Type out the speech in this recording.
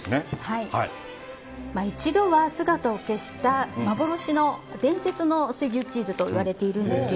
一度は姿を消した幻の伝説の水牛チーズと呼ばれているんですが